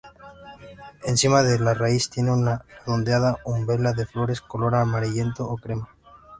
Encima de la raíz tiene una redondeada umbela de flores color amarillento o crema.